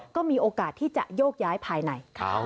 ก็มีโอกาสที่จะโยกย้ายภายใน